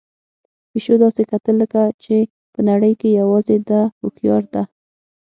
پيشو داسې کتل لکه چې په نړۍ کې یوازې ده هوښیار ده.